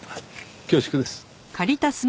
恐縮です。